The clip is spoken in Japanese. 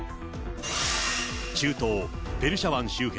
中東ペルシャ湾周辺。